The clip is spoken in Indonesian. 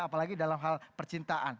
apalagi dalam hal percintaan